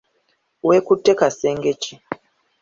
Wekutte kasenge ki?